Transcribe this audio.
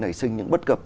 nảy sinh những bất cập